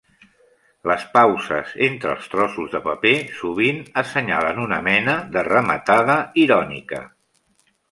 Les pauses entre els trossos de paper sovint assenyalen una mena de "rematada" irònica.